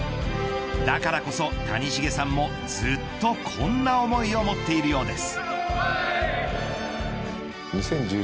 だからこそ、谷繁さんもずっとこんな思いを持っているようです。